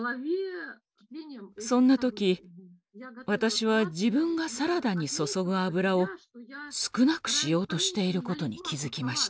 そんな時私は自分がサラダに注ぐ油を少なくしようとしていることに気付きました。